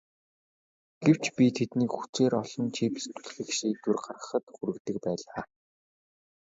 Гэвч би тэднийг хүчээр олон чипс түлхэх шийдвэр гаргахад хүргэдэг байлаа.